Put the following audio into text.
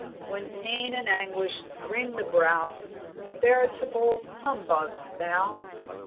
When pain and anguish wring the brow A veritable humbug thou."